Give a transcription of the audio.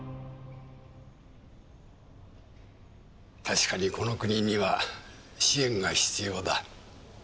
確かにこの国には支援が必要だ。